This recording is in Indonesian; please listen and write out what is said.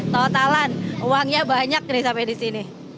totalan uangnya banyak nih sampai di sini